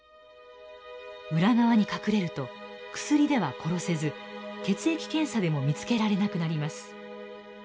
裏側に隠れると薬では殺せず血液検査でも見つけられなくなります。